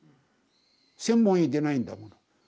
専門医でないんだもの。